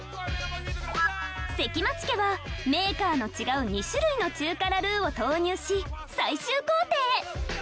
関町家はメーカーの違う２種類の中辛ルーを投入し最終工程へ